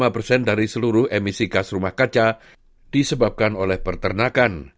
empat belas lima persen dari seluruh emisi gas rumah kaca disebabkan oleh pertenakan